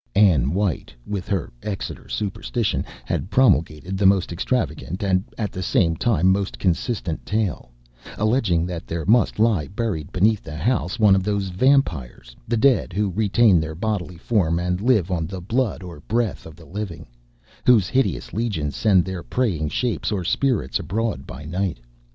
Ann White, with her Exeter superstition, had promulgated the most extravagant and at the same time most consistent tale; alleging that there must lie buried beneath the house one of those vampires the dead who retain their bodily form and live on the blood or breath of the living whose hideous legions send their preying shapes or spirits abroad by night.